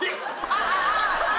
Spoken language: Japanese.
ああ。